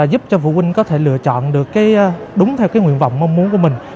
giúp cho vụ huynh có thể lựa chọn đúng theo nguyện vọng mong muốn của mình